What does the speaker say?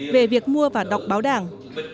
về việc mua và đọc báo đảng